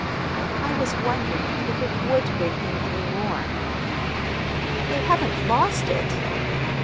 "I was wondering—if it would bring him any more." "They haven't lost it?"